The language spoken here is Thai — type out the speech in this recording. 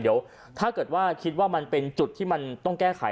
เดี๋ยวถ้าเกิดว่าคิดว่ามันเป็นจุดที่มันต้องแก้ไข